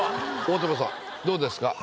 大友さんどうですか？